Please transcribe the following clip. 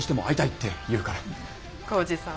浩二さん